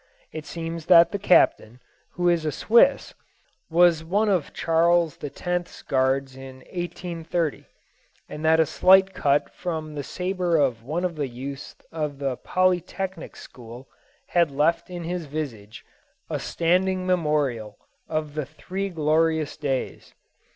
It seems that the Captain, who is a Swiss, was one of Charles the Tenth's guards in 1830, and that a slight cut from the sabre of one of the youths of the Polytechnic School had left in his visage a standing memorial of the three glorious days.